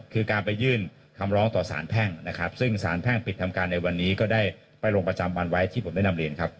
คือการไปยื่นคำร้องต่อสารแพ่งนะครับซึ่งสารแพ่งปิดทำการในวันนี้ก็ได้ไปลงประจำวันไว้ที่ผมได้นำเรียนครับ